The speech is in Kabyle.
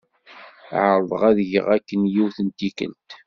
Ԑerḍeɣ ad geɣ akken yiwet n tikelt.